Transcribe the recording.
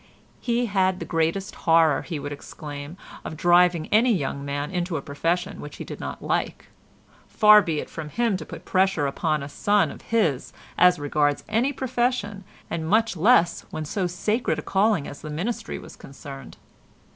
He had the greatest horror, he would exclaim, of driving any young man into a profession which he did not like. Far be it from him to put pressure upon a son of his as regards any profession and much less when so sacred a calling as the ministry was concerned.